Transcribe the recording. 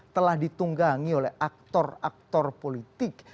telah ditunggangi oleh aktor aktor politik